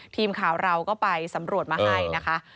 ทีมข่าวเราก็ไปสำรวจมาให้นะคะ